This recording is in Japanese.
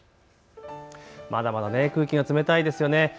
まだまだ空気が冷たいですね。